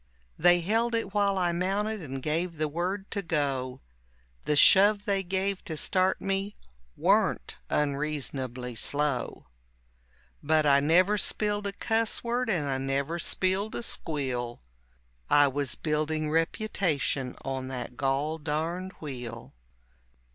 They held it while I mounted and gave the word to go; The shove they gave to start me warn't unreasonably slow. But I never spilled a cuss word and I never spilled a squeal I was building reputation on that gol darned wheel.